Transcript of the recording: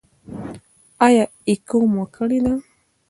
ایا اکو مو کړې ده؟